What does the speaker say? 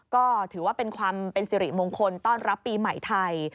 ก็ถือว่าเป็นความเป็นสิริมงคลต้อนรับปีใหม่ไทย